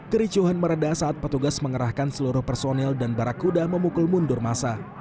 kericuhan meredah saat petugas mengerahkan seluruh personil dan barakuda memukul mundur masa